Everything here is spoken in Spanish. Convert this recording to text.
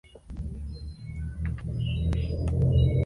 En el exterior las viviendas iglú posee un jardín.